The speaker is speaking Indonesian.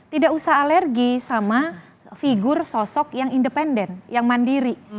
tidak usah alergi sama figur sosok yang independen yang mandiri